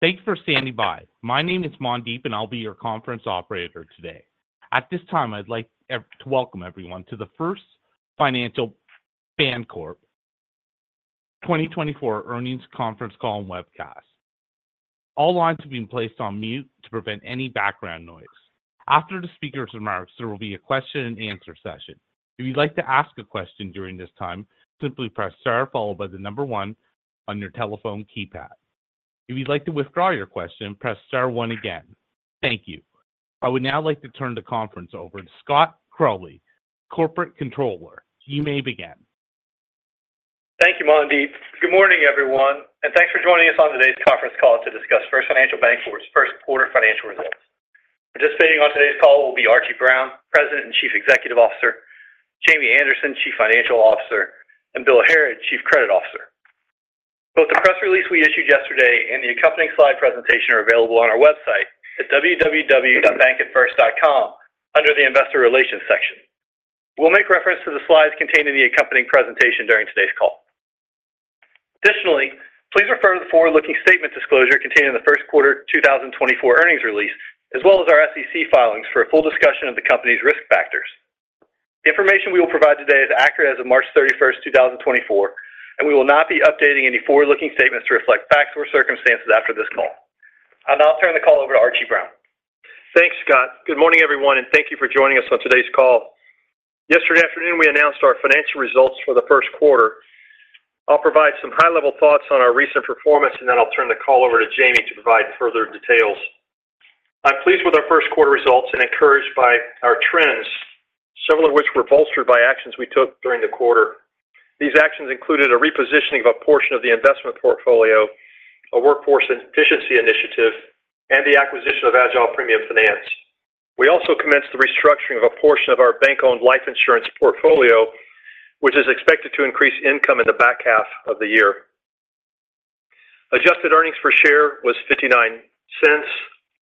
Thanks for standing by. My name is Mandeep, and I'll be your conference operator today. At this time, I'd like to welcome everyone to the First Financial Bancorp 2024 earnings conference call and webcast. All lines have been placed on mute to prevent any background noise. After the speaker's remarks, there will be a question and answer session. If you'd like to ask a question during this time, simply press Star followed by the number one on your telephone keypad. If you'd like to withdraw your question, press Star one again. Thank you. I would now like to turn the conference over to Scott Crawley, Corporate Controller. You may begin. Thank you, Mandeep. Good morning, everyone, and thanks for joining us on today's conference call to discuss First Financial Bancorp's first quarter financial results. Participating on today's call will be Archie Brown, President and Chief Executive Officer, Jamie Anderson, Chief Financial Officer, and Bill Harrod, Chief Credit Officer. Both the press release we issued yesterday and the accompanying slide presentation are available on our website at www.bankatfirst.com under the Investor Relations section. We'll make reference to the slides contained in the accompanying presentation during today's call. Additionally, please refer to the forward-looking statement disclosure contained in the first quarter 2024 earnings release, as well as our SEC filings for a full discussion of the company's risk factors. The information we will provide today is accurate as of March 31st, 2024, and we will not be updating any forward-looking statements to reflect facts or circumstances after this call. I'll now turn the call over to Archie Brown. Thanks, Scott. Good morning, everyone, and thank you for joining us on today's call. Yesterday afternoon, we announced our financial results for the first quarter. I'll provide some high-level thoughts on our recent performance, and then I'll turn the call over to Jamie to provide further details. I'm pleased with our first quarter results and encouraged by our trends, several of which were bolstered by actions we took during the quarter. These actions included a repositioning of a portion of the investment portfolio, a workforce efficiency initiative, and the acquisition of Agile Premium Finance. We also commenced the restructuring of a portion of our bank-owned life insurance portfolio, which is expected to increase income in the back half of the year. Adjusted earnings per share was $0.59,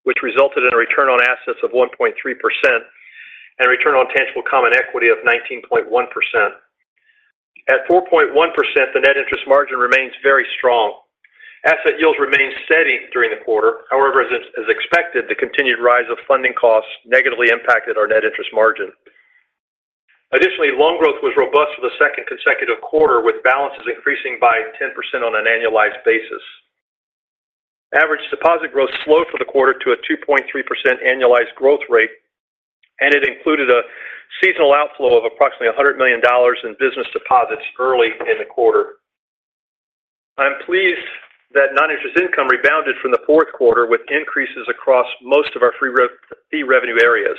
which resulted in a return on assets of 1.3% and a return on tangible common equity of 19.1%. At 4.1%, the net interest margin remains very strong. Asset yields remained steady during the quarter. However, as expected, the continued rise of funding costs negatively impacted our net interest margin. Additionally, loan growth was robust for the second consecutive quarter, with balances increasing by 10% on an annualized basis. Average deposit growth slowed for the quarter to a 2.3% annualized growth rate, and it included a seasonal outflow of approximately $100 million in business deposits early in the quarter. I'm pleased that non-interest income rebounded from the fourth quarter, with increases across most of our fee revenue areas.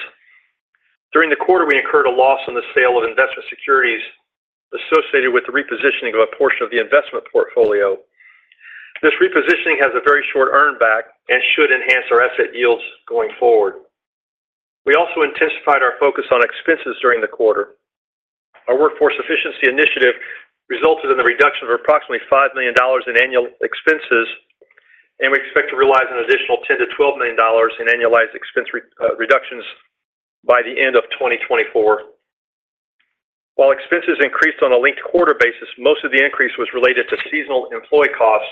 During the quarter, we incurred a loss on the sale of investment securities associated with the repositioning of a portion of the investment portfolio. This repositioning has a very short earn back and should enhance our asset yields going forward. We also intensified our focus on expenses during the quarter. Our workforce efficiency initiative resulted in the reduction of approximately $5 million in annual expenses, and we expect to realize an additional $10 million-$12 million in annualized expense reductions by the end of 2024. While expenses increased on a linked quarter basis, most of the increase was related to seasonal employee costs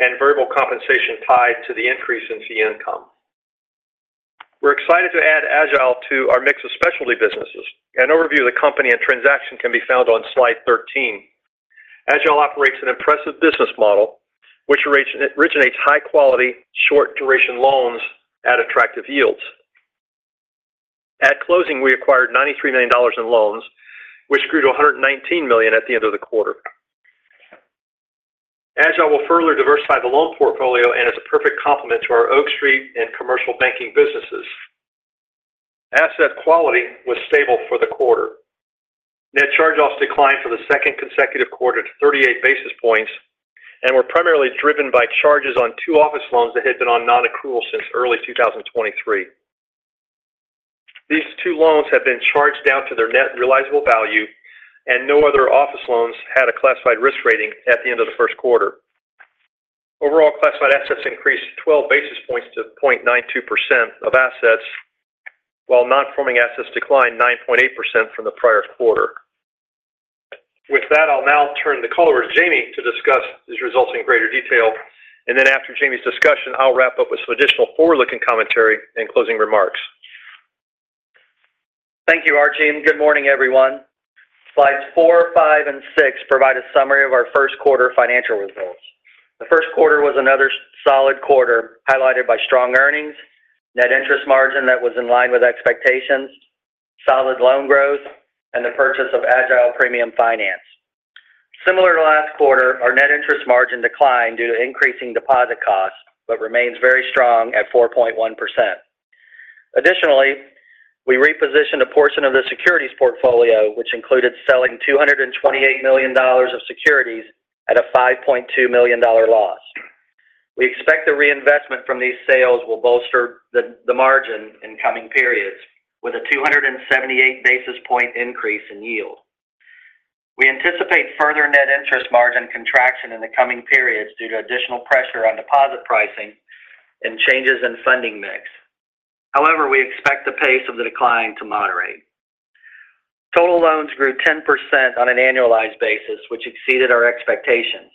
and variable compensation tied to the increase in fee income. We're excited to add Agile to our mix of specialty businesses. An overview of the company and transaction can be found on slide 13. Agile operates an impressive business model, which originates high quality, short duration loans at attractive yields. At closing, we acquired $93 million in loans, which grew to $119 million at the end of the quarter. Agile will further diversify the loan portfolio and is a perfect complement to our Oak Street and commercial banking businesses. Asset quality was stable for the quarter. Net charge-offs declined for the second consecutive quarter to 38 basis points and were primarily driven by charges on two office loans that had been on non-accrual since early 2023. These two loans have been charged down to their net realizable value, and no other office loans had a classified risk rating at the end of the first quarter. Overall, classified assets increased 12 basis points to 0.92% of assets, while non-performing assets declined 9.8% from the prior quarter. With that, I'll now turn the call over to Jamie to discuss these results in greater detail, and then after Jamie's discussion, I'll wrap up with some additional forward-looking commentary and closing remarks. Thank you, Archie, and good morning, everyone. Slides four, five, and six provide a summary of our first quarter financial results. The first quarter was another solid quarter, highlighted by strong earnings, net interest margin that was in line with expectations, solid loan growth, and the purchase of Agile Premium Finance. Similar to last quarter, our net interest margin declined due to increasing deposit costs, but remains very strong at 4.1%. Additionally, we repositioned a portion of the securities portfolio, which included selling $228 million of securities at a $5.2 million loss. We expect the reinvestment from these sales will bolster the margin in coming periods with a 278 basis point increase in yield. We anticipate further net interest margin contraction in the coming periods due to additional pressure on deposit pricing and changes in funding mix. However, we expect the pace of the decline to moderate. Total loans grew 10% on an annualized basis, which exceeded our expectations.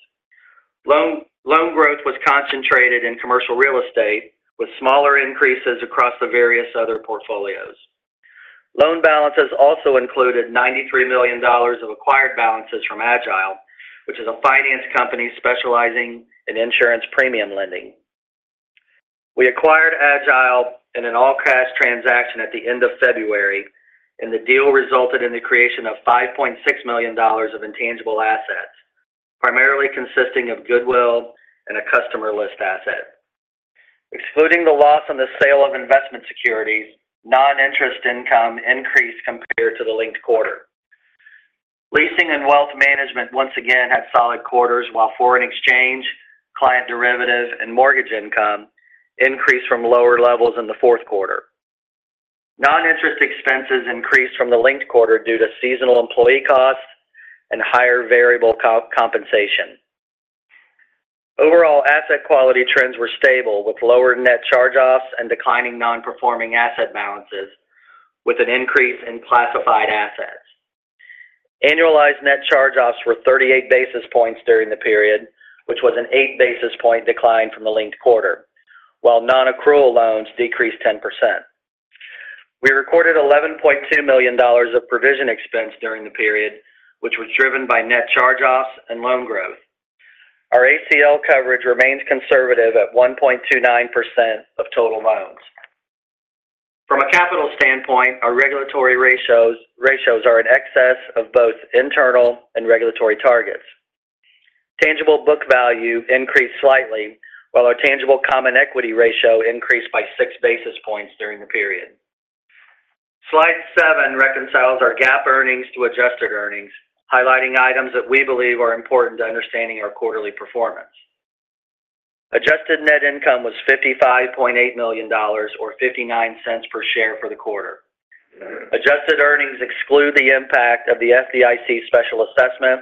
Loan growth was concentrated in commercial real estate, with smaller increases across the various other portfolios. Loan balances also included $93 million of acquired balances from Agile, which is a finance company specializing in insurance premium lending. We acquired Agile in an all-cash transaction at the end of February, and the deal resulted in the creation of $5.6 million of intangible assets, primarily consisting of goodwill and a customer list asset. Excluding the loss on the sale of investment securities, non-interest income increased compared to the linked quarter. Leasing and wealth management once again had solid quarters, while foreign exchange, client derivatives, and mortgage income increased from lower levels in the fourth quarter. Non-interest expenses increased from the linked quarter due to seasonal employee costs and higher variable compensation. Overall, asset quality trends were stable, with lower net charge-offs and declining non-performing asset balances, with an increase in classified assets. Annualized net charge-offs were 38 basis points during the period, which was an 8 basis point decline from the linked quarter, while non-accrual loans decreased 10%. We recorded $11.2 million of provision expense during the period, which was driven by net charge-offs and loan growth. Our ACL coverage remains conservative at 1.29% of total loans. From a capital standpoint, our regulatory ratios are in excess of both internal and regulatory targets. Tangible book value increased slightly, while our tangible common equity ratio increased by 6 basis points during the period. Slide seven reconciles our GAAP earnings to adjusted earnings, highlighting items that we believe are important to understanding our quarterly performance. Adjusted net income was $55.8 million, or $0.59 per share for the quarter. Adjusted earnings exclude the impact of the FDIC special assessment,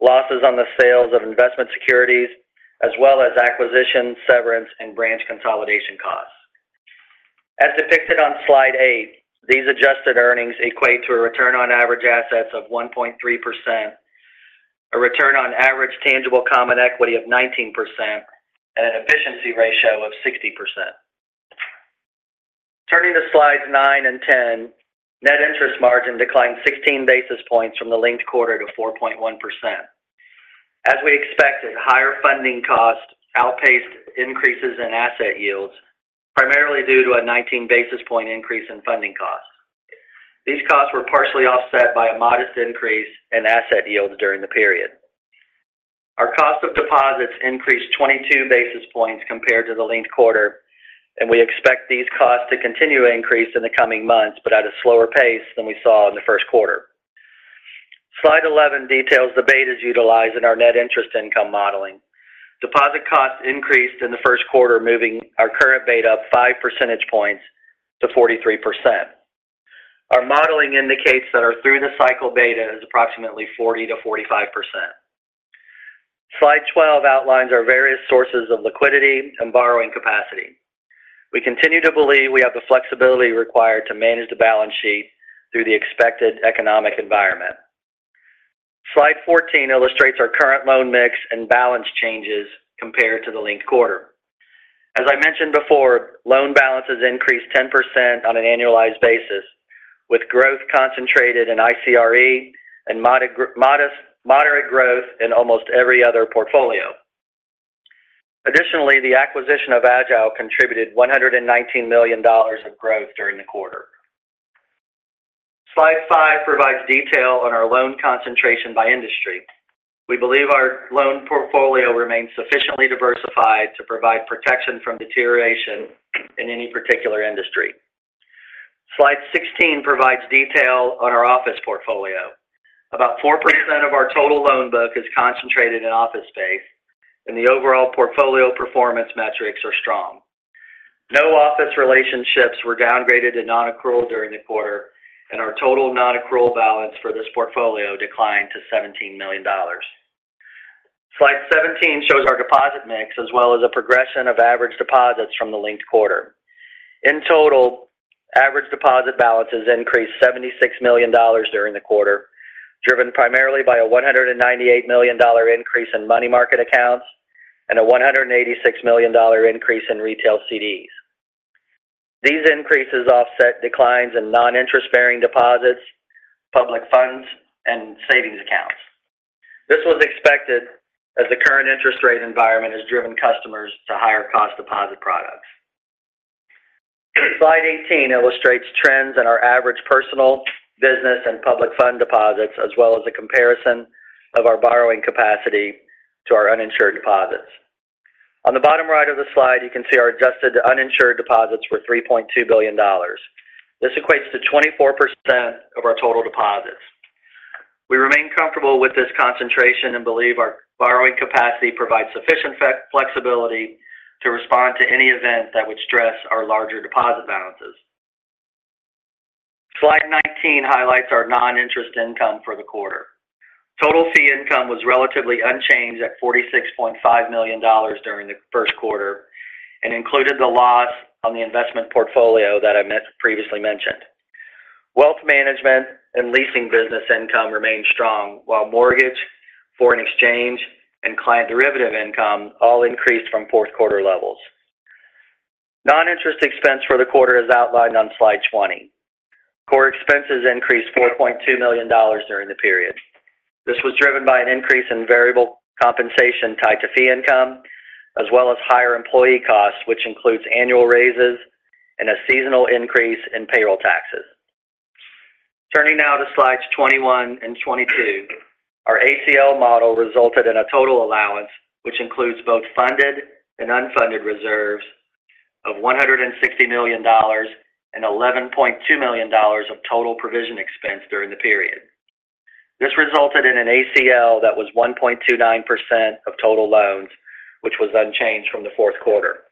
losses on the sales of investment securities, as well as acquisition, severance, and branch consolidation costs. As depicted on Slide eight, these adjusted earnings equate to a return on average assets of 1.3%, a return on average tangible common equity of 19%, and an efficiency ratio of 60%. Turning to Slides nine and 10, net interest margin declined 16 basis points from the linked quarter to 4.1%. As we expected, higher funding costs outpaced increases in asset yields, primarily due to a 19 basis point increase in funding costs. These costs were partially offset by a modest increase in asset yields during the period. Our cost of deposits increased 22 basis points compared to the linked quarter, and we expect these costs to continue to increase in the coming months, but at a slower pace than we saw in the first quarter. Slide 11 details the betas utilized in our net interest income modeling. Deposit costs increased in the first quarter, moving our current beta up 5 percentage points to 43%. Our modeling indicates that our through-the-cycle beta is approximately 40%-45%. Slide 12 outlines our various sources of liquidity and borrowing capacity. We continue to believe we have the flexibility required to manage the balance sheet through the expected economic environment. Slide 14 illustrates our current loan mix and balance changes compared to the linked quarter. As I mentioned before, loan balances increased 10% on an annualized basis, with growth concentrated in ICRE and moderate growth in almost every other portfolio. Additionally, the acquisition of Agile contributed $119 million of growth during the quarter. Slide five provides detail on our loan concentration by industry. We believe our loan portfolio remains sufficiently diversified to provide protection from deterioration in any particular industry. Slide 16 provides detail on our office portfolio. About 4% of our total loan book is concentrated in office space, and the overall portfolio performance metrics are strong. No office relationships were downgraded to non-accrual during the quarter, and our total non-accrual balance for this portfolio declined to $17 million. Slide 17 shows our deposit mix, as well as a progression of average deposits from the linked quarter. In total, average deposit balances increased $76 million during the quarter, driven primarily by a $198 million increase in money market accounts and a $186 million increase in retail CDs. These increases offset declines in non-interest-bearing deposits, public funds, and savings accounts. This was expected as the current interest rate environment has driven customers to higher cost deposit products. Slide 18 illustrates trends in our average personal, business, and public fund deposits, as well as a comparison of our borrowing capacity to our uninsured deposits. On the bottom right of the slide, you can see our adjusted uninsured deposits were $3.2 billion. This equates to 24% of our total deposits. We remain comfortable with this concentration and believe our borrowing capacity provides sufficient flexibility to respond to any event that would stress our larger deposit balances. Slide 19 highlights our non-interest income for the quarter. Total fee income was relatively unchanged at $46.5 million during the first quarter and included the loss on the investment portfolio that I previously mentioned. Wealth management and leasing business income remained strong, while mortgage, foreign exchange, and client derivative income all increased from fourth quarter levels. Non-interest expense for the quarter is outlined on Slide 20. Core expenses increased $4.2 million during the period. This was driven by an increase in variable compensation tied to fee income, as well as higher employee costs, which includes annual raises and a seasonal increase in payroll taxes. Turning now to slides 21 and 22, our ACL model resulted in a total allowance, which includes both funded and unfunded reserves of $160 million and $11.2 million of total provision expense during the period. This resulted in an ACL that was 1.29% of total loans, which was unchanged from the fourth quarter.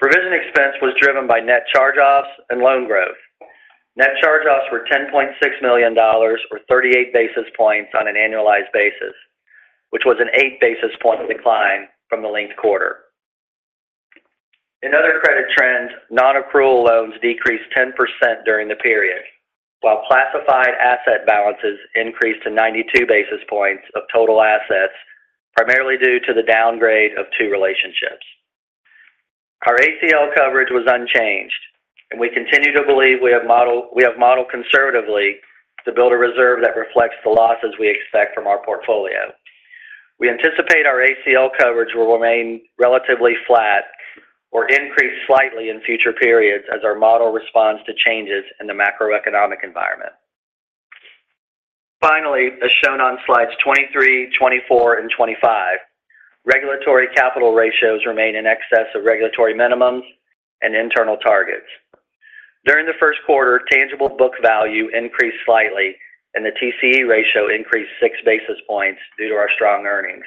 Provision expense was driven by net charge-offs and loan growth. Net charge-offs were $10.6 million, or 38 basis points on an annualized basis, which was an 8 basis points decline from the linked quarter. In other credit trends, non-accrual loans decreased 10% during the period, while classified asset balances increased to 92 basis points of total assets, primarily due to the downgrade of two relationships. Our ACL coverage was unchanged, and we continue to believe we have modeled conservatively to build a reserve that reflects the losses we expect from our portfolio. We anticipate our ACL coverage will remain relatively flat or increase slightly in future periods as our model responds to changes in the macroeconomic environment. Finally, as shown on slides 23, 24, and 25, regulatory capital ratios remain in excess of regulatory minimums and internal targets. During the first quarter, tangible book value increased slightly, and the TCE ratio increased 6 basis points due to our strong earnings.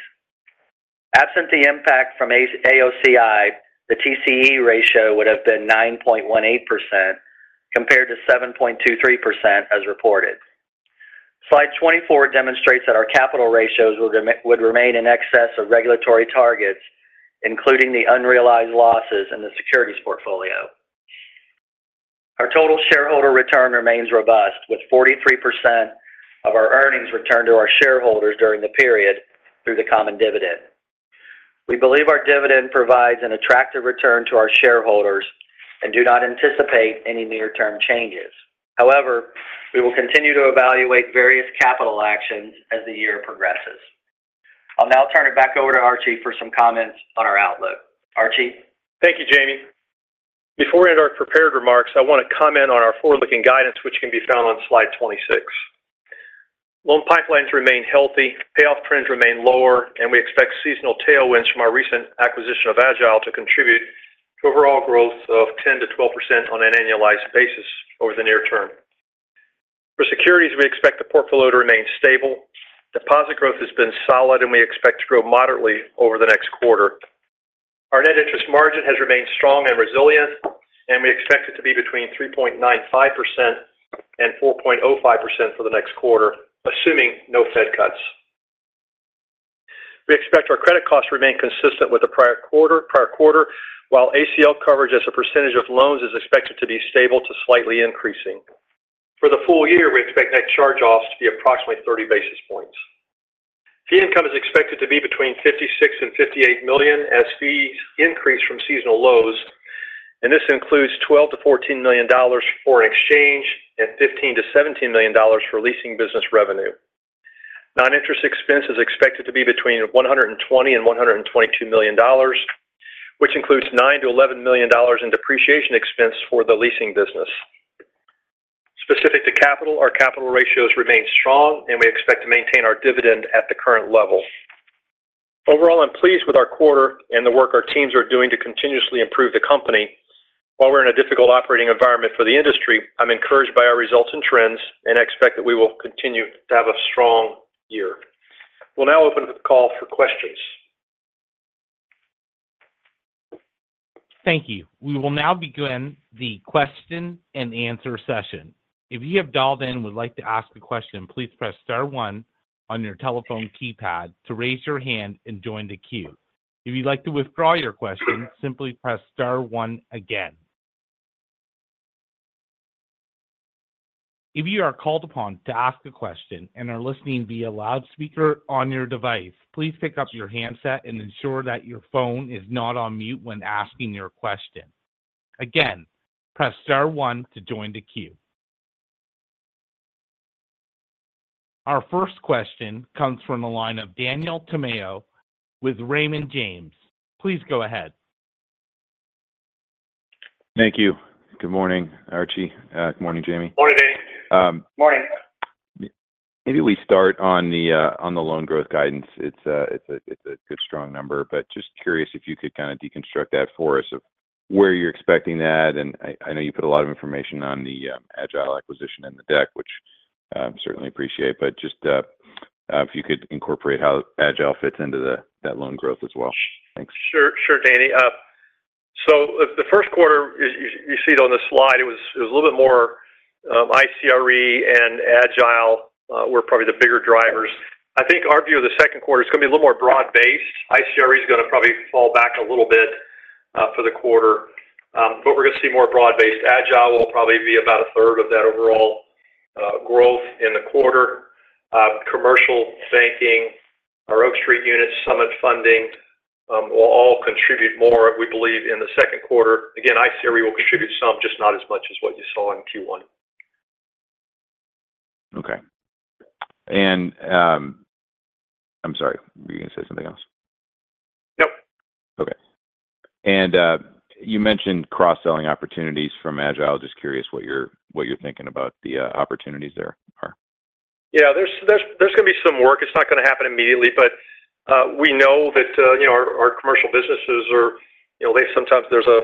Absent the impact from AOCI, the TCE ratio would have been 9.18%, compared to 7.23% as reported. Slide 24 demonstrates that our capital ratios would remain in excess of regulatory targets, including the unrealized losses in the securities portfolio. Our total shareholder return remains robust, with 43% of our earnings returned to our shareholders during the period through the common dividend. We believe our dividend provides an attractive return to our shareholders and do not anticipate any near-term changes. However, we will continue to evaluate various capital actions as the year progresses. I'll now turn it back over to Archie for some comments on our outlook. Archie? Thank you, Jamie. Before we end our prepared remarks, I want to comment on our forward-looking guidance, which can be found on slide 26. Loan pipelines remain healthy, payoff trends remain lower, and we expect seasonal tailwinds from our recent acquisition of Agile to contribute to overall growth of 10%-12% on an annualized basis over the near term. For securities, we expect the portfolio to remain stable. Deposit growth has been solid, and we expect to grow moderately over the next quarter. Our net interest margin has remained strong and resilient, and we expect it to be between 3.95% and 4.05% for the next quarter, assuming no Fed cuts. We expect our credit costs to remain consistent with the prior quarter, prior quarter, while ACL coverage as a percentage of loans is expected to be stable to slightly increasing. For the full year, we expect net charge-offs to be approximately 30 basis points. Fee income is expected to be between $56 million and $58 million as fees increase from seasonal lows, and this includes $12 million-$14 million for foreign exchange and $15 million-$17 million for leasing business revenue. Non-interest expense is expected to be between $120 million and $122 million, which includes $9 million-$11 million in depreciation expense for the leasing business. Specific to capital, our capital ratios remain strong, and we expect to maintain our dividend at the current level. Overall, I'm pleased with our quarter and the work our teams are doing to continuously improve the company. While we're in a difficult operating environment for the industry, I'm encouraged by our results and trends, and I expect that we will continue to have a strong year. We'll now open up the call for questions. Thank you. We will now begin the question and answer session. If you have dialed in and would like to ask a question, please press star one on your telephone keypad to raise your hand and join the queue. If you'd like to withdraw your question, simply press star one again. If you are called upon to ask a question and are listening via loudspeaker on your device, please pick up your handset and ensure that your phone is not on mute when asking your question. Again, press star one to join the queue. Our first question comes from the line of Daniel Tamayo with Raymond James. Please go ahead. Thank you. Good morning, Archie. Good morning, Jamie. Morning, Danny. Morning. Maybe we start on the loan growth guidance. It's a good strong number, but just curious if you could kind of deconstruct that for us of where you're expecting that. And I know you put a lot of information on the Agile acquisition in the deck, which certainly appreciate, but just if you could incorporate how Agile fits into that loan growth as well. Thanks. Sure. Sure, Danny, So the first quarter, you see it on the slide, it was a little bit more, ICRE and Agile were probably the bigger drivers. I think our view of the second quarter is going to be a little more broad-based. ICRE is going to probably fall back a little bit for the quarter. But we're going to see more broad-based. Agile will probably be about a third of that overall growth in the quarter. Commercial banking, our Oak Street unit, Summit Funding will all contribute more, we believe, in the second quarter. Again, ICRE will contribute some, just not as much as what you saw in Q1. Okay. And, I'm sorry, were you going to say something else? Nope. Okay. And, you mentioned cross-selling opportunities from Agile. Just curious what you're thinking about the opportunities there are? Yeah, there's going to be some work. It's not going to happen immediately, but we know that, you know, our commercial businesses are, you know, they sometimes, there's a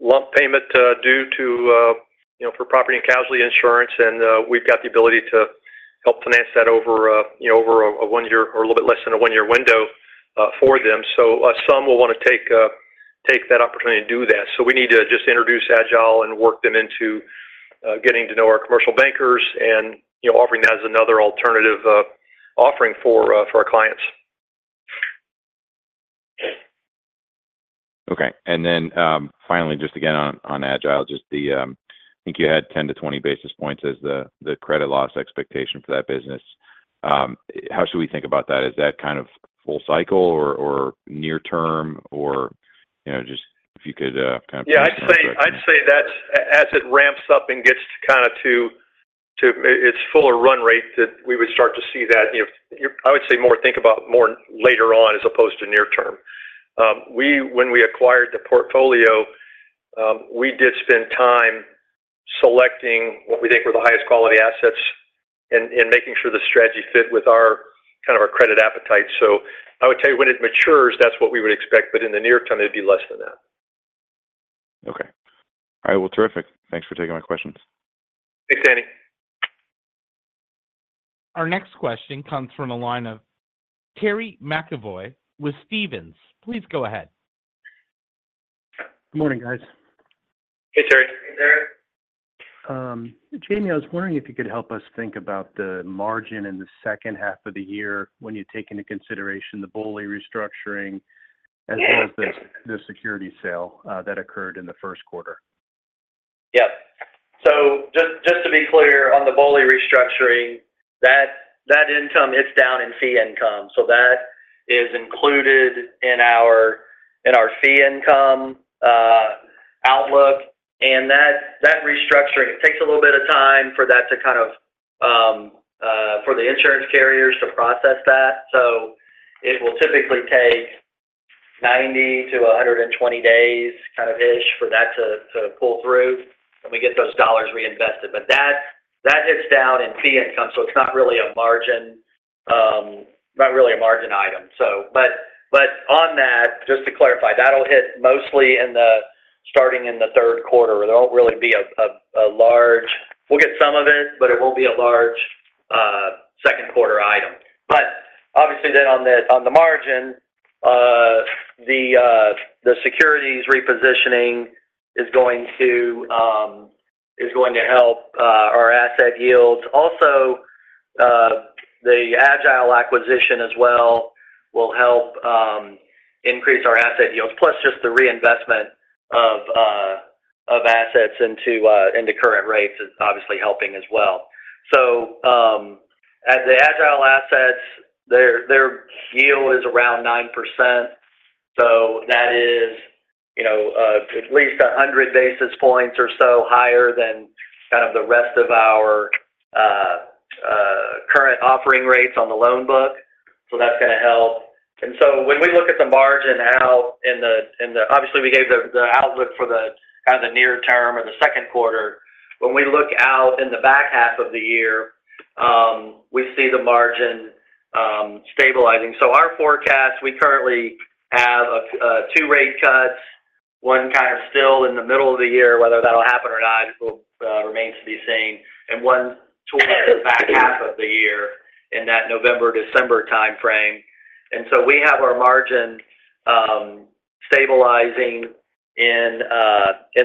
lump payment due to, you know, for property and casualty insurance, and we've got the ability to help finance that over, you know, over a one year or a little bit less than a one-year window for them. So, some will want to take that opportunity to do that. So we need to just introduce Agile and work them into getting to know our commercial bankers and, you know, offering that as another alternative offering for our clients. Okay. And then, finally, just again, on Agile, just the, I think you had 10-20 basis points as the credit loss expectation for that business. How should we think about that? Is that kind of full cycle or near term or, you know, just if you could kind of- Yeah, I'd say, I'd say that as it ramps up and gets to kind of to its fuller run rate, that we would start to see that. You know, I would say more think about more later on as opposed to near term. When we acquired the portfolio, we did spend time selecting what we think were the highest quality assets and making sure the strategy fit with our kind of our credit appetite. So I would tell you when it matures, that's what we would expect, but in the near term, it'd be less than that. Okay. All right, well, terrific. Thanks for taking my questions. Thanks, Danny. Our next question comes from a line of Terry McEvoy with Stephens. Please go ahead. Good morning, guys. Hey, Terry. Hey, Terry. Jamie, I was wondering if you could help us think about the margin in the second half of the year when you take into consideration the BOLI restructuring, as well as the security sale that occurred in the first quarter? Yeah. So just to be clear on the BOLI restructuring, that income, it's down in fee income, so that is included in our fee income outlook. And that restructuring, it takes a little bit of time for that to kind of for the insurance carriers to process that. So it will typically take 90-120 days, kind of ish, for that to pull through, and we get those dollars reinvested. But that is down in fee income, so it's not really a margin, not really a margin item. So but on that, just to clarify, that'll hit mostly in the starting in the third quarter. There won't really be a large. We'll get some of it, but it won't be a large second quarter item. But obviously, then on the margin, the securities repositioning is going to help our asset yields. Also, the Agile acquisition as well will help increase our asset yields, plus just the reinvestment of assets into current rates is obviously helping as well. So, as the Agile assets, their yield is around 9%, so that is, you know, at least 100 basis points or so higher than kind of the rest of our current offering rates on the loan book. So that's going to help. And so when we look at the margin out in the future and obviously, we gave the outlook for the kind of the near term or the second quarter. When we look out in the back half of the year, we see the margin stabilizing. So our forecast, we currently have, two rate cuts, one kind of still in the middle of the year. Whether that'll happen or not will remains to be seen, and one towards the back half of the year in that November, December timeframe. And so we have our margin stabilizing in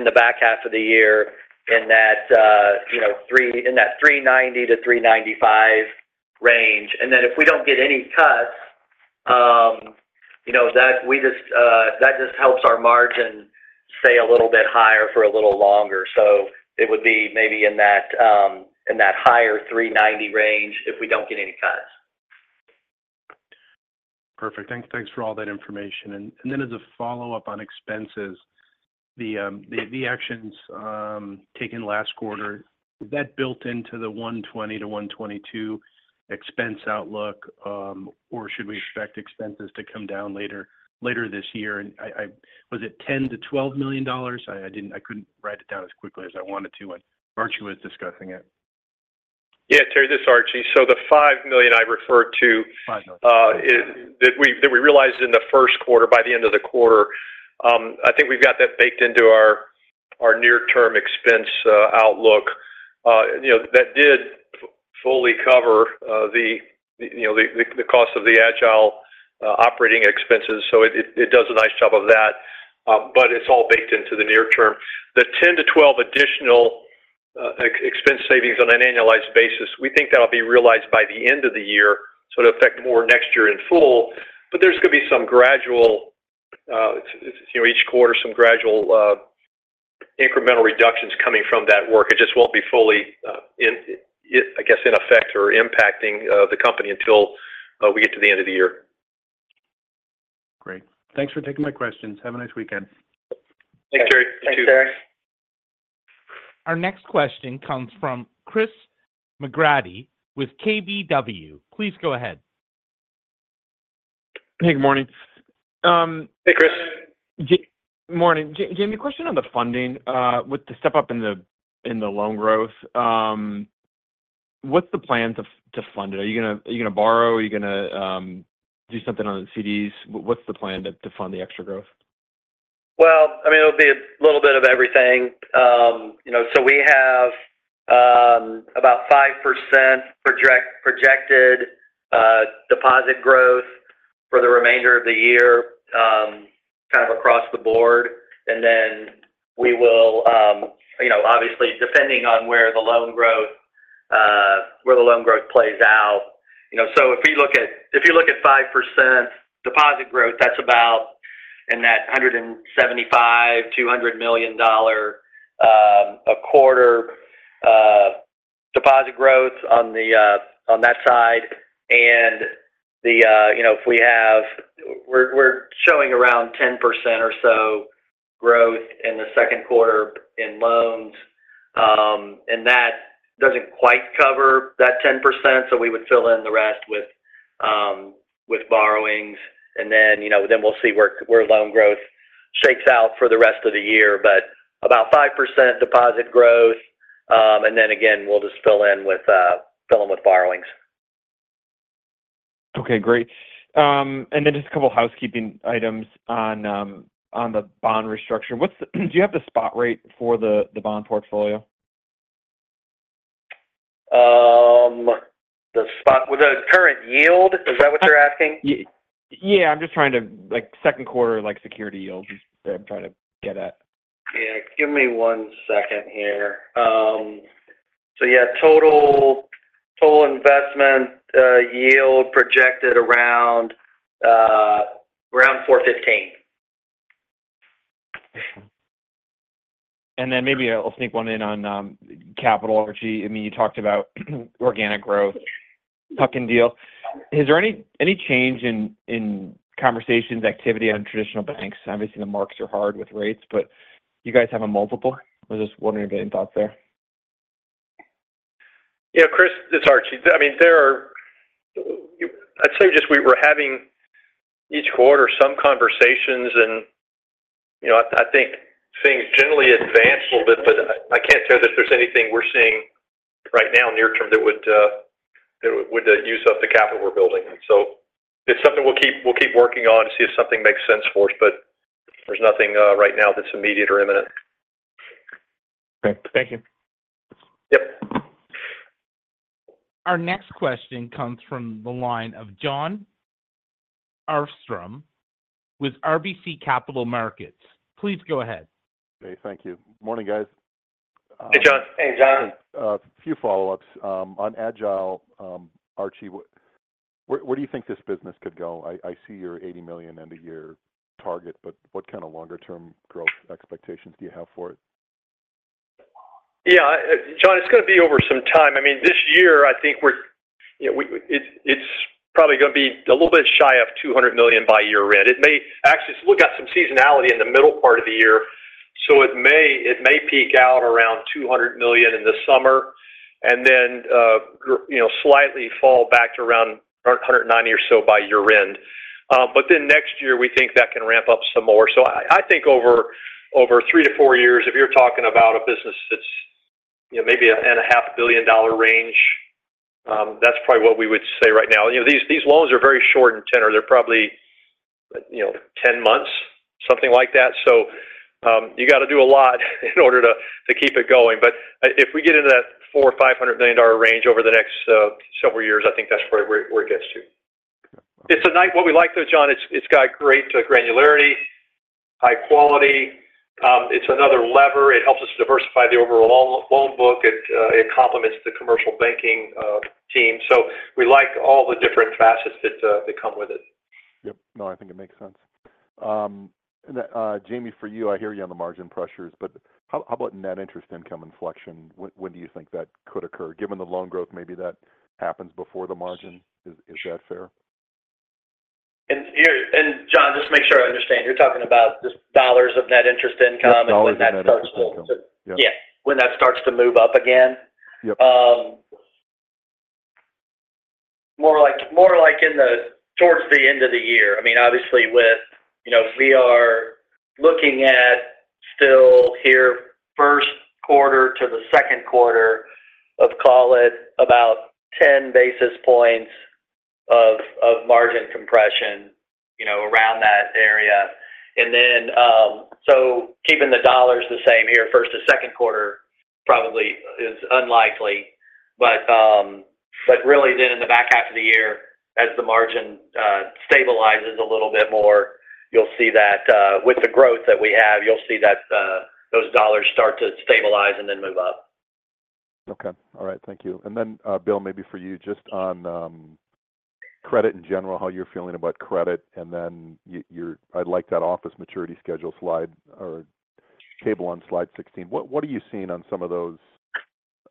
the back half of the year in that, you know, 3.90-3.95 range. And then if we don't get any cuts, you know, that just helps our margin stay a little bit higher for a little longer. So it would be maybe in that higher 3.90 range if we don't get any cuts. Perfect. Thanks for all that information. And then as a follow-up on expenses, the actions taken last quarter, is that built into the 120-122 expense outlook? Or should we expect expenses to come down later this year? And I-- was it $10 million-$12 million? I didn't-- I couldn't write it down as quickly as I wanted to when Archie was discussing it. Yeah, Terry, this is Archie. So the $5 million I referred to- Five million... is that we realized in the first quarter, by the end of the quarter. I think we've got that baked into our near-term expense outlook. You know, that did fully cover the, you know, the cost of the Agile operating expenses, so it does a nice job of that, but it's all baked into the near term. The 10-12 additional expense savings on an annualized basis, we think that'll be realized by the end of the year, so it'll affect more next year in full. But there's gonna be some gradual, you know, each quarter, some gradual incremental reductions coming from that work. It just won't be fully in effect or impacting the company until we get to the end of the year. Great. Thanks for taking my questions. Have a nice weekend. Thanks, Terry. Thanks, Terry. Our next question comes from Chris McGratty with KBW. Please go ahead. Hey, good morning. Hey, Chris. Good morning. Jamie, a question on the funding. With the step up in the loan growth, what's the plan to fund it? Are you gonna borrow? Are you gonna do something on the CDs? What's the plan to fund the extra growth? Well, I mean, it'll be a little bit of everything. You know, so we have about 5% projected deposit growth for the remainder of the year, kind of across the board. And then we will, you know, obviously, depending on where the loan growth plays out. You know, so if you look at-- if you look at 5% deposit growth, that's about in that $175 million-$200 million a quarter deposit growth on the on that side. And, you know, if we have-- we're, we're showing around 10% or so growth in the second quarter in loans. And that doesn't quite cover that 10%, so we would fill in the rest with with borrowings, and then, you know, then we'll see where where loan growth shakes out for the rest of the year. But about 5% deposit growth, and then again, we'll just fill in with borrowings. Okay, great. And then just a couple housekeeping items on the bond restructure. Do you have the spot rate for the bond portfolio? Well, the current yield, is that what you're asking? Yeah, I'm just trying to, like, second quarter, like, security yield, is what I'm trying to get at. Yeah. Give me one second here. So yeah, total, total investment yield projected around, around 4.15. And then maybe I'll sneak one in on capital, Archie. I mean, you talked about organic growth, tuck-in deal. Is there any change in conversations, activity on traditional banks? Obviously, the marks are hard with rates, but you guys have a multiple. I was just wondering, getting thoughts there. Yeah, Chris, it's Archie. I mean, there are. I'd say just we were having each quarter some conversations and, you know, I think things generally advanced a little bit, but I can't say that there's anything we're seeing right now near term that would use up the capital we're building. So it's something we'll keep working on to see if something makes sense for us, but there's nothing right now that's immediate or imminent. Okay. Thank you. Yep. Our next question comes from the line of Jon Arfstrom with RBC Capital Markets. Please go ahead. Hey, thank you. Morning, guys. Hey, John. Hey, John. A few follow-ups. On Agile, Archie, where do you think this business could go? I see your $80 million end-of-year target, but what kind of longer-term growth expectations do you have for it? Yeah, John, it's gonna be over some time. I mean, this year, I think we're, you know, it's, it's probably gonna be a little bit shy of $200 million by year end. It may actually... We've got some seasonality in the middle part of the year, so it may, it may peak out around $200 million in the summer and then, you know, slightly fall back to around $190 or so by year end. But then next year, we think that can ramp up some more. So I, I think over, over three to four years, if you're talking about a business that's, you know, maybe one and a half billion dollar range, that's probably what we would say right now. You know, these, these loans are very short in tenure. They're probably, you know, 10 months, something like that. So, you got to do a lot in order to, to keep it going. But if we get into that $400 million-$500 million range over the next several years, I think that's probably where, where it gets to. It's a nice— What we like, though, John, it's, it's got great granularity, high quality. It's another lever. It helps us diversify the overall loan book. It, it complements the commercial banking team. So we like all the different facets that, that come with it. Yep. No, I think it makes sense. Jamie, for you, I hear you on the margin pressures, but how about net interest income inflection? When do you think that could occur? Given the loan growth, maybe that happens before the margin. Is that fair? John, just to make sure I understand, you're talking about just dollars of net interest income? Yes, dollars of net interest income. Yeah, when that starts to move up again? Yep. More like, more like in the towards the end of the year. I mean, obviously with, you know, we are looking at still here, first quarter to the second quarter of, call it, about 10 basis points of margin compression, you know, around that area. And then, so keeping the dollars the same here, first to second quarter probably is unlikely. But, but really then in the back half of the year, as the margin stabilizes a little bit more, you'll see that, with the growth that we have, you'll see that, those dollars start to stabilize and then move up. Okay. All right, thank you. And then, Bill, maybe for you, just on credit in general, how you're feeling about credit, and then your-- I'd like that office maturity schedule slide or table on slide 16. What, what are you seeing on some of those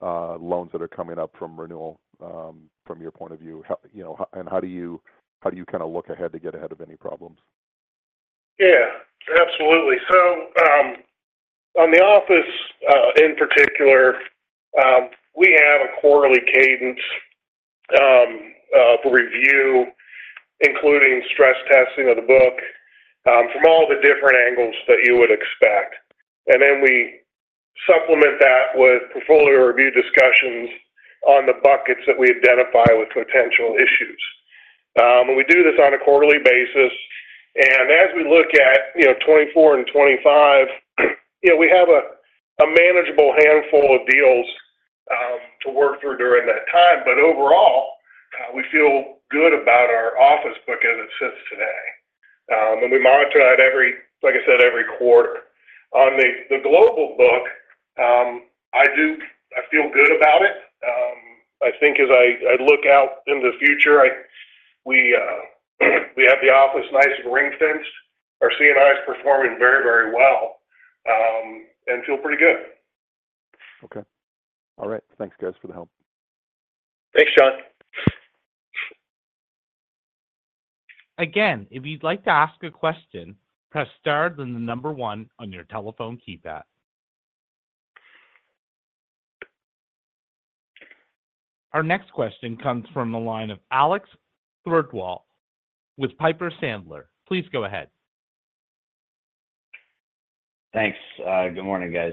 loans that are coming up from renewal, from your point of view? How, you know, how-- and how do you, how do you kind of look ahead to get ahead of any problems? Yeah, absolutely. So, on the office, in particular, we have a quarterly cadence for review, including stress testing of the book, from all the different angles that you would expect. And then we supplement that with portfolio review discussions on the buckets that we identify with potential issues. And we do this on a quarterly basis, and as we look at, you know, 2024 and 2025, you know, we have a manageable handful of deals to work through during that time. But overall, we feel good about our office book as it sits today. And we monitor it every, like I said, every quarter. On the global book, I feel good about it. I think as I look out in the future, we have the office nice and ring-fenced. Our C&I is performing very, very well, and feel pretty good. Okay. All right. Thanks, guys, for the help. Thanks, Sean. Again, if you'd like to ask a question, press star, then the number one on your telephone keypad. Our next question comes from the line of Alex Twerdahl with Piper Sandler. Please go ahead. Thanks. Good morning, guys.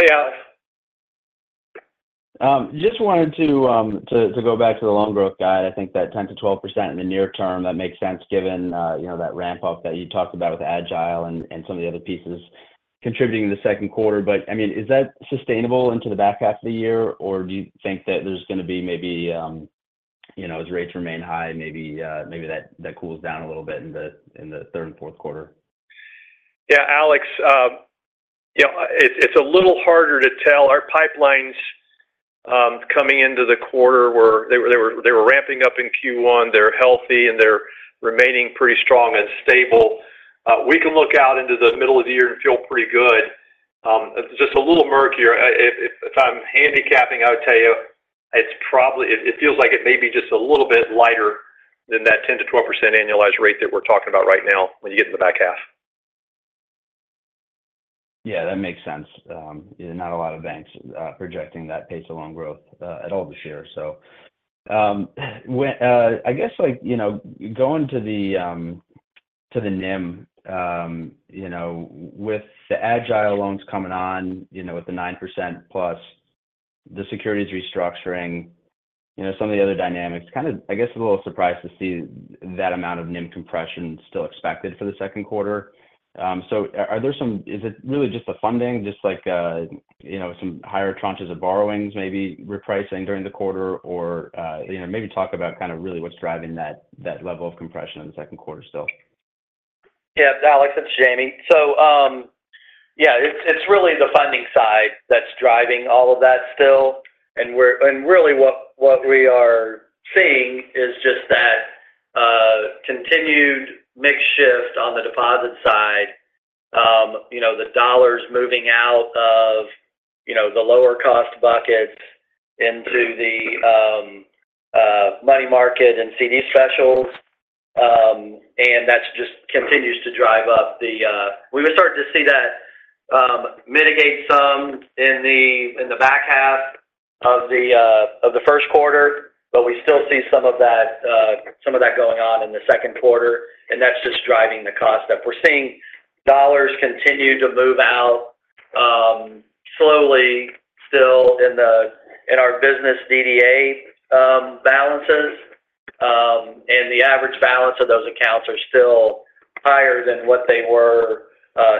Hey, Alex. Just wanted to go back to the loan growth guide. I think that 10%-12% in the near term, that makes sense, given, you know, that ramp-up that you talked about with Agile and some of the other pieces contributing in the second quarter. But, I mean, is that sustainable into the back half of the year, or do you think that there's going to be maybe, you know, as rates remain high, maybe that cools down a little bit in the third and fourth quarter? Yeah, Alex, you know, it's a little harder to tell. Our pipelines coming into the quarter were—they were ramping up in Q1. They're healthy, and they're remaining pretty strong and stable. We can look out into the middle of the year and feel pretty good. Just a little murkier. If I'm handicapping, I would tell you it's probably... It feels like it may be just a little bit lighter than that 10%-12% annualized rate that we're talking about right now when you get in the back half. Yeah, that makes sense. Not a lot of banks projecting that pace of loan growth at all this year. So, when I guess, like, you know, going to the NIM, you know, with the Agile loans coming on, you know, with the 9%+, the securities restructuring, you know, some of the other dynamics, kind of, I guess, a little surprised to see that amount of NIM compression still expected for the second quarter. So are there some-- is it really just the funding, just like, you know, some higher tranches of borrowings, maybe repricing during the quarter? Or, you know, maybe talk about kind of really what's driving that level of compression in the second quarter still? Yeah, Alex, it's Jamie. So, yeah, it's really the funding side that's driving all of that still. And really, what we are seeing is just that, continued mix shift on the deposit side. You know, the dollars moving out of, you know, the lower cost buckets into the, money market and CD specials. And that's just continues to drive up the... We were starting to see that, mitigate some in the, in the back half of the, of the first quarter, but we still see some of that, some of that going on in the second quarter, and that's just driving the cost up. We're seeing dollars continue to move out, slowly, still in the, in our business DDA, balances. And the average balance of those accounts are still higher than what they were,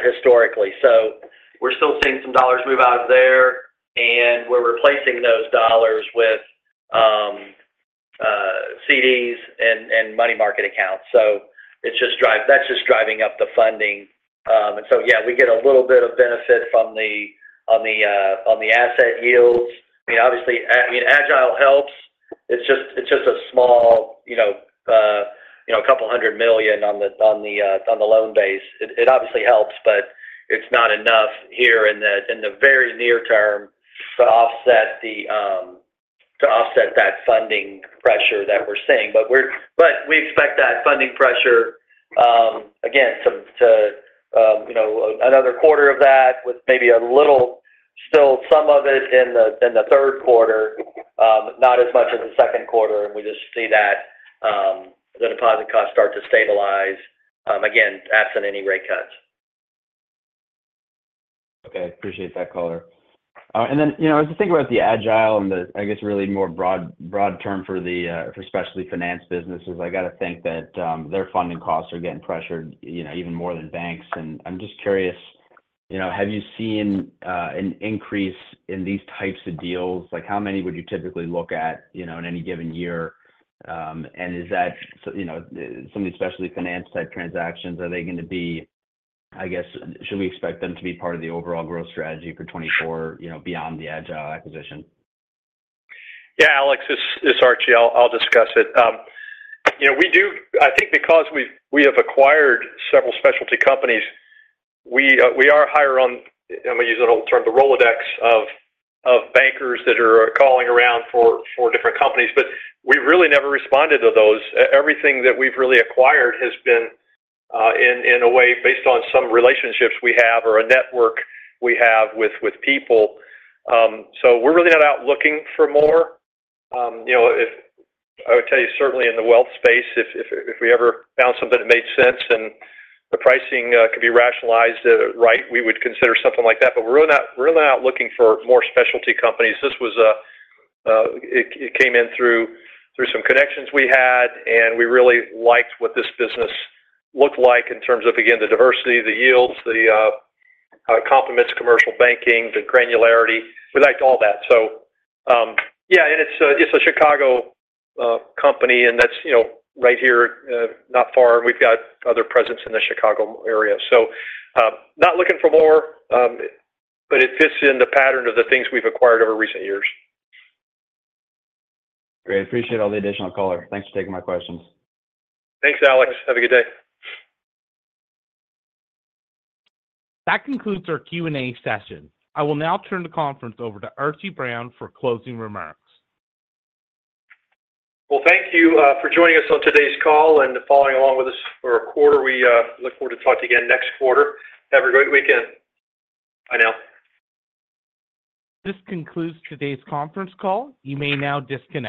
historically. So we're still seeing some dollars move out of there, and we're replacing those dollars with, CDs and, and money market accounts. So that's just driving up the funding. And so, yeah, we get a little bit of benefit from the asset yields. I mean, obviously, Agile helps. It's just, it's just a small, you know, you know, $200 million on the loan base. It obviously helps, but it's not enough here in the very near term to offset that funding pressure that we're seeing. But we expect that funding pressure, again, to you know, another quarter of that with maybe a little, still some of it in the third quarter, not as much as the second quarter. And we just see that the deposit costs start to stabilize, again, absent any rate cuts.... Okay, appreciate that, Calder. And then, you know, as I think about the Agile and the, I guess, really more broad, broad term for the, for specialty finance businesses, I gotta think that, their funding costs are getting pressured, you know, even more than banks. And I'm just curious, you know, have you seen, an increase in these types of deals? Like, how many would you typically look at, you know, in any given year? And is that, so, you know, some of the specialty finance type transactions, are they gonna be-- I guess, should we expect them to be part of the overall growth strategy for 2024, you know, beyond the Agile acquisition? Yeah, Alex, this is Archie. I'll discuss it. You know, we do. I think because we have acquired several specialty companies, we are higher on, let me use an old term, the Rolodex of bankers that are calling around for different companies. But we've really never responded to those. Everything that we've really acquired has been, in a way, based on some relationships we have or a network we have with people. So we're really not out looking for more. You know, if I would tell you, certainly in the wealth space, if we ever found something that made sense and the pricing could be rationalized, right, we would consider something like that. But we're really not, we're really not out looking for more specialty companies. This came in through some connections we had, and we really liked what this business looked like in terms of, again, the diversity, the yields, how it complements commercial banking, the granularity. We liked all that. So, yeah, and it's a Chicago company, and that's, you know, right here, not far, and we've got other presence in the Chicago area. So, not looking for more, but it fits in the pattern of the things we've acquired over recent years. Great. Appreciate all the additional color. Thanks for taking my questions. Thanks, Alex. Have a good day. That concludes our Q&A session. I will now turn the conference over to Archie Brown for closing remarks. Well, thank you for joining us on today's call and following along with us for our quarter. We look forward to talking to you again next quarter. Have a great weekend. Bye now. This concludes today's conference call. You may now disconnect.